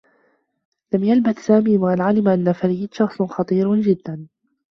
لم يلبث سامي و أن علم أنّ فريد شخص خطير جدّا.